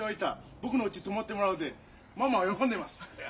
僕のうち泊まってもらうってママ喜んでます。